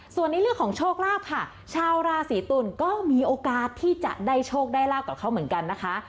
ส่วนในเรื่องของโชคลาภค่ะชาวราศีตุลก็มีโอกาสที่จะได้โชคได้ลาบกับเขาเหมือนกันนะคะ